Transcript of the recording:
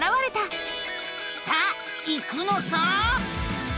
さあ行くのさ！